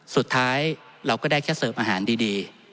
สุดท้ายเราก็ได้แค่เสิร์ฟอาหารดี